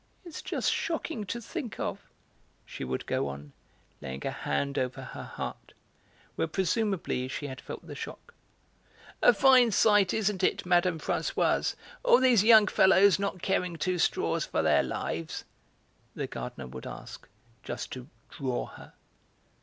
It's just shocking to think of," she would go on, laying a hand over her heart, where presumably she had felt the shock. "A fine sight, isn't it, Mme. Françoise, all these young fellows not caring two straws for their lives?" the gardener would ask, just to 'draw' her.